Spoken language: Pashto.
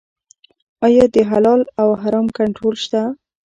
آیا د حلال او حرام کنټرول شته؟